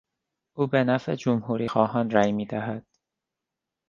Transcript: او به نفع جمهوریخواهان رای میدهد.